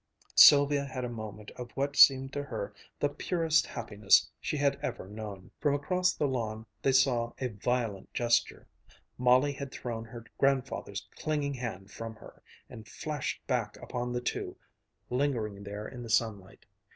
Sylvia had a moment of what seemed to her the purest happiness she had ever known.... From across the lawn they saw a violent gesture Molly had thrown her grandfather's clinging hand from her, and flashed back upon the two, lingering there in the sunlight.